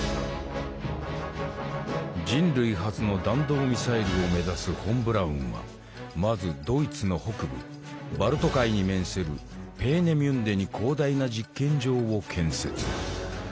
人類初の弾道ミサイルを目指すフォン・ブラウンはまずドイツの北部バルト海に面するペーネミュンデに広大な実験場を建設。